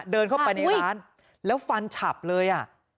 เดินเข้าไปในร้านแล้วฟันฉับเลยอ่ะ